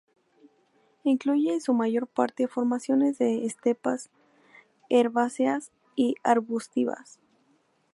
Incluye en su mayor parte formaciones de estepas herbáceas y arbustivas.